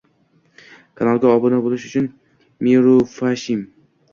Kanalga obuna bo'lish Mirupafshim: